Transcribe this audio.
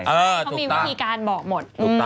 เขามีวิธีการบอกหมด